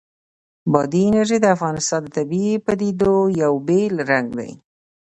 بادي انرژي د افغانستان د طبیعي پدیدو یو بېل رنګ دی.